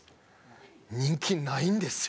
人気ないんですよ。